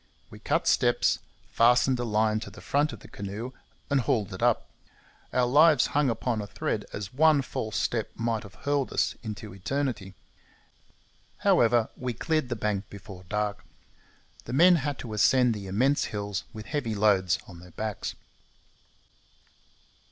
We cut steps, fastened a line to the front of the canoe, and hauled it up. Our lives hung upon a thread, as one false step might have hurled us into eternity. However, we cleared the bank before dark. The men had to ascend the immense hills with heavy loads on their backs.